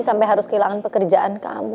sampai harus kehilangan pekerjaan kamu